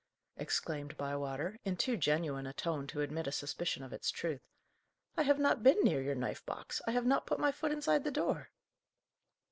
exclaimed Bywater, in too genuine a tone to admit a suspicion of its truth. "I have not been near your knife box; I have not put my foot inside the door."